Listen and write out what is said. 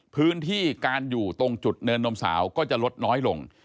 พื้นที่การอยู่ตรงจุดเนินนมสาวก็จะลดน้อยลง